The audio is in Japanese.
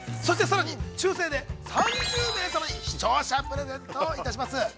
そして、さらに、抽せんで３０名様に視聴者プレゼントをいたします！